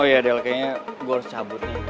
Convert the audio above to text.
oh ya del kayaknya gue harus cabut nih